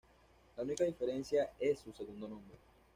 La única diferencia es su segundo nombre.